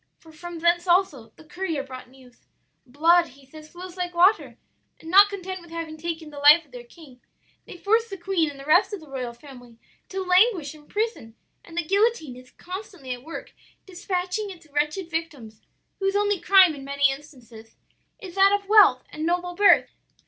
for from thence also, the courier brought news. Blood, he says, flows like water, and not content with having taken the life of their king, they force the queen and the rest of the royal family to languish in prison; and the guillotine is constantly at work dispatching its wretched victims, whose only crime, in many instances, is that of wealth and noble birth.'